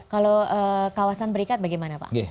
kalau kawasan berikat bagaimana pak